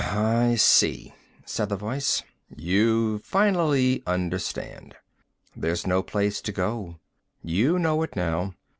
"I see," said the voice. "You finally understand. There's no place to go. You know it now.